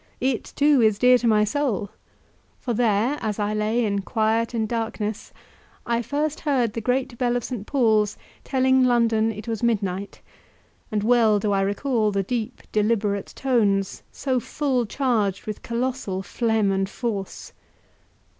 It, too, is dear to my soul; for there, as I lay in quiet and darkness, I first heard the great bell of St. Paul's telling London it was midnight, and well do I recall the deep, deliberate tones, so full charged with colossal phlegm and force.